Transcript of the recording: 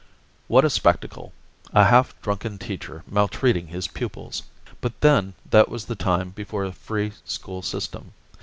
What a spectacle a half drunken teacher maltreating his pupils! But then, that was the time before a free school system.